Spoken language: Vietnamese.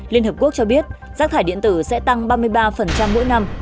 liên hợp quốc cho biết rác thải điện tử sẽ tăng ba mươi ba mỗi năm